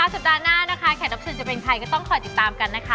สัปดาห์หน้านะคะแขกรับเชิญจะเป็นใครก็ต้องคอยติดตามกันนะคะ